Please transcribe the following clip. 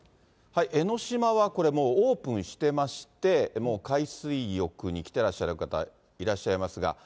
江の島はこれ、もうオープンしてまして、もう海水浴に来てらっしゃる方、いらっしゃいますが。